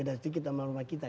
beda sedikit sama rumah kita kan